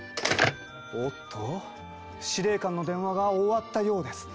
おっと司令官の電話が終わったようです。